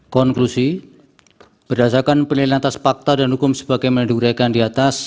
konklusi berdasarkan penelitian atas fakta dan hukum sebagai menuduhkan di atas